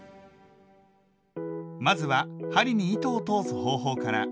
まずは針に糸を通す方法から。